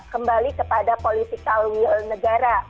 kembali kepada political will negara